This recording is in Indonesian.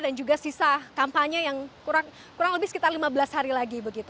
dan juga sisa kampanye yang kurang lebih sekitar lima belas hari lagi